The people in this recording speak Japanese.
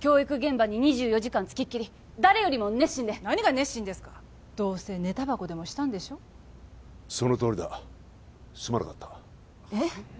教育現場に２４時間つきっきり誰よりも熱心で何が熱心ですかどうせ寝たばこでもしたんでしょそのとおりだすまなかったえっ？